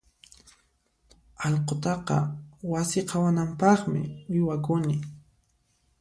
Allqutaqa wasi qhawanampaqmi uywakuni.